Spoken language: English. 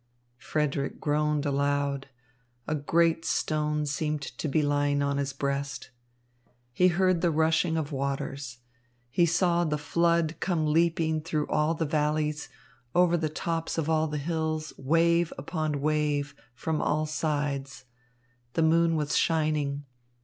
Frederick groaned aloud. A great stone seemed to be lying on his breast. He heard the rushing of waters. He saw the flood come leaping through all the valleys, over the tops of all the hills, wave upon wave, from all sides. The moon was shining.